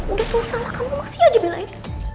udah tersalah kamu masih aja belain